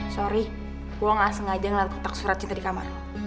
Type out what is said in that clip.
sorry gue ga sengaja ngeliat kotak surat cinta di kamar